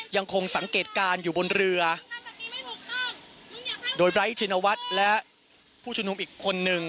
ยังคงสังเกตการณ์อยู่บนเรือโดยไบร์ทชินวัฒน์และผู้ชุมนุมอีกคนนึง